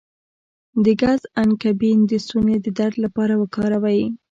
د ګز انګبین د ستوني د درد لپاره وکاروئ